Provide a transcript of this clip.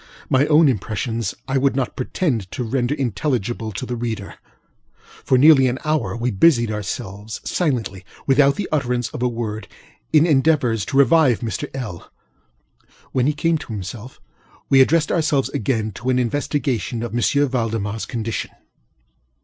My own impressions I would not pretend to render intelligible to the reader. For nearly an hour, we busied ourselves, silentlyŌĆöwithout the utterance of a wordŌĆöin endeavors to revive Mr. LŌĆöl. When he came to himself, we addressed ourselves again to an investigation of M. ValdemarŌĆÖs condition.